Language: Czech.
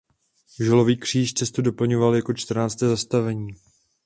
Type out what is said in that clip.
Žulový kříž cestu doplňoval jako čtrnácté zastavení.